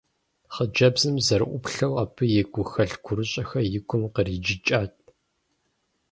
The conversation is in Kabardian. Хъыджэбзым зэрыӏуплъэу, абы и гухэлъ-гурыщӏэхэр и гум къриджыкӏат.